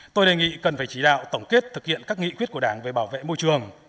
tôi đề nghị cần phải chỉ đạo tổng kết thực hiện các nghị quyết của đảng về bảo vệ môi trường